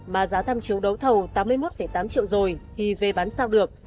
mà giá tham chiếu đấu thầu tám mươi một tám triệu rồi thì về bán sao được